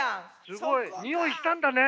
すごい。匂いしたんだね。